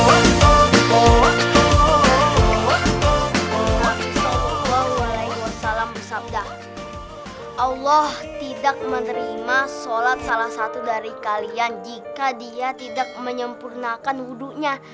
allah tidak menerima sholat salah satu dari kalian jika dia tidak menyempurnakan wudhunya